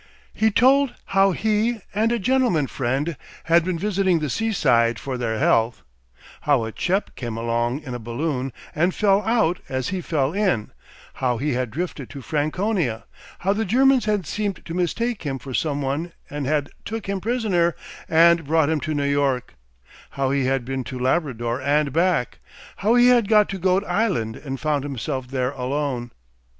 He told how he and a "gentleman friend" had been visiting the seaside for their health, how a "chep" came along in a balloon and fell out as he fell in, how he had drifted to Franconia, how the Germans had seemed to mistake him for some one and had "took him prisoner" and brought him to New York, how he had been to Labrador and back, how he had got to Goat Island and found himself there alone.